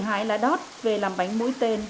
chị hái lá đót về làm bánh mũi tên